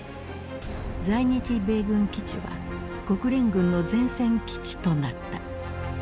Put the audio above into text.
在日米軍基地は国連軍の前線基地となった。